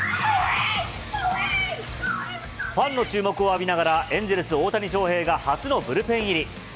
ファンの注目を浴びながらエンゼルス・大谷翔平が初のブルペン入り。